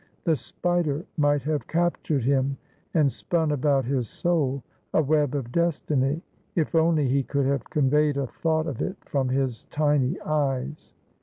The spider might have captured him, and spun about his soul a web of destiny, if only he could have conveyed a thought of it from his tiny eyes.